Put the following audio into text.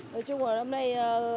nói chung là năm nay